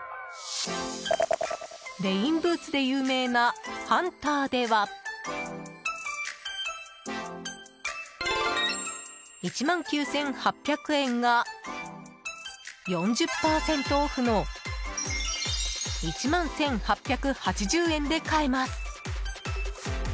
レインブーツで有名なハンターでは１万９８００円が、４０％オフの１万１８８０円で買えます。